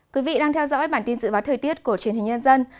quý vị đang theo dõi bản tin dự báo thời tiết của truyền hình nhân dân